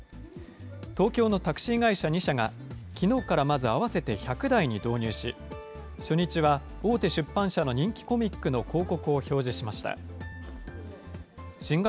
東京のタクシー会社２社が、きのうからまず合わせて１００台に導入し、初日は大手出版社の人気コミックの広告を表示しました。